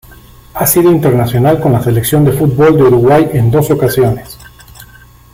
Ha sido internacional con la Selección de fútbol de Uruguay en dos ocasiones.